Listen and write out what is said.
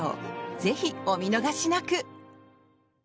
ぜひお見逃しなく！